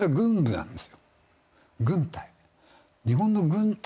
軍隊。